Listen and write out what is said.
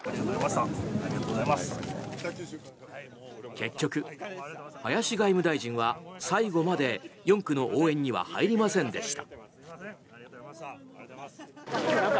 結局、林外務大臣は最後まで４区の応援には入りませんでした。